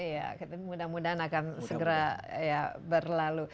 ya kita mudah mudahan akan segera berlalu